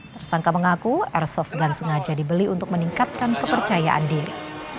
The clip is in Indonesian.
tersangka mengaku airsoft gun sengaja dibeli untuk meningkatkan kepercayaan diri